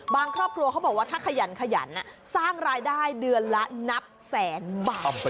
ครอบครัวเขาบอกว่าถ้าขยันขยันสร้างรายได้เดือนละนับแสนบาท